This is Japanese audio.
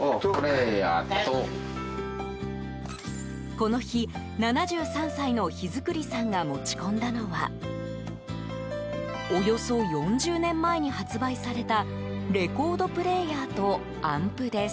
この日、７３歳の桧作さんが持ち込んだのはおよそ４０年前に発売されたレコードプレーヤーとアンプです。